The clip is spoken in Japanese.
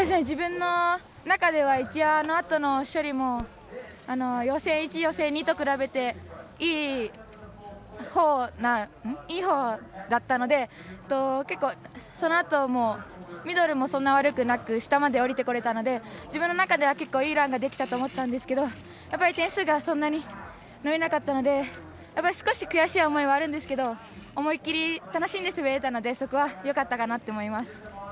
自分の中では一応、あのあとの処理も予選１、予選２と比べていいほうだったので結構、そのあともミドルもそんなに悪くなく下まで降りてこれたので自分の中では結構いいランができたと思ったんですけど点数がそんなに伸びなかったので少し悔しい思いはあるんですけど思い切り楽しんで滑られたのでそこはよかったかなと思います。